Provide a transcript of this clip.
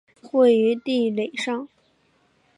位于地垒上。